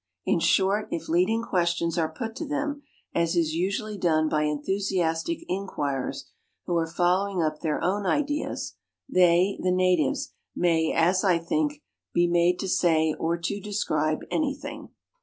in short, if leading questions are put to them, as is usually done by enthusiastic inquirers, who are following up their own ideas, they (the natives) may, as I think, be made to say or to describe any thing.